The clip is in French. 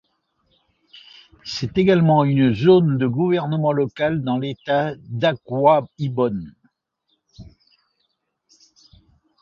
C'est également une zone de gouvernement local dans l'État d'Akwa Ibom.